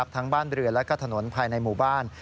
ทั้งบ้านเรือและถนนภายในหมู่บ้าน